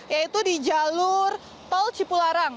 yaitu di jalur tol cipularang